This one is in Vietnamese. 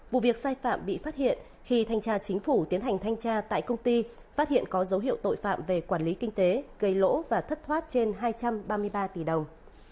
vụ việc sai phạm bị phát hiện khi thanh tra chính phủ tiến hành thanh tra tại công ty phát hiện có dấu hiệu tội phạm về quản lý kinh tế gây lỗ và thất thoát trên hai trăm ba mươi ba tỷ đồng